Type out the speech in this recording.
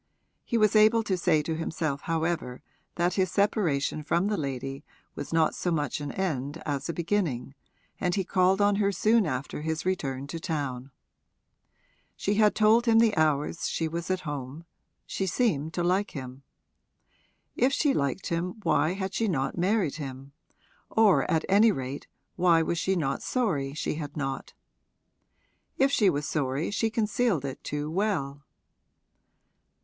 He was able to say to himself however that his separation from the lady was not so much an end as a beginning, and he called on her soon after his return to town. She had told him the hours she was at home she seemed to like him. If she liked him why had she not married him or at any rate why was she not sorry she had not? If she was sorry she concealed it too well.